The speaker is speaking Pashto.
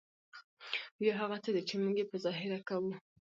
ریا هغه څه دي ، چي موږ ئې په ظاهره کوو.